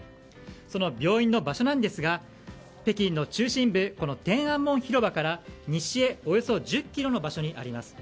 その病院の場所なんですが北京の中心部、天安門広場から西へおよそ１０ｋｍの場所にあります。